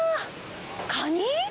カニ？